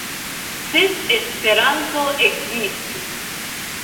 Sed Esperanto ekzistis!